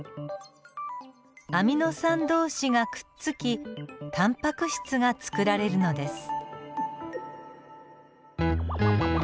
アミノ酸同士がくっつきタンパク質がつくられるのです。